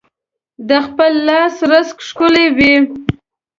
د خپل لاس رزق ښکلی وي.